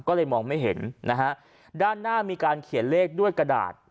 ก็เลยมองไม่เห็นนะฮะด้านหน้ามีการเขียนเลขด้วยกระดาษ